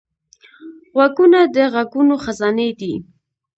غوږونه د غږونو خزانې دي